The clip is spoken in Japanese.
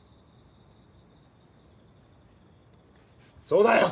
そうだよ！